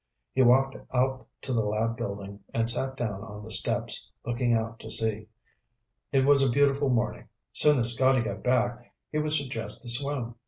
He walked out to the lab building and sat down on the steps, looking out to sea. It was a beautiful morning. Soon as Scotty got back he would suggest a swim.